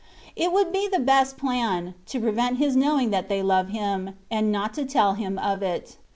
It would be the best plan, to prevent his knowing that they love him, and not to tell him of it.